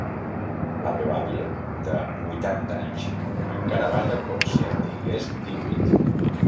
La meva àvia de huitanta anys encara balla com si en tingués díhuit.